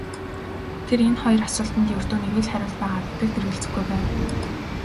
Тэр энэ хоёр асуултад ердөө нэг л хариулт байгаа гэдэгт эргэлзэхгүй байв.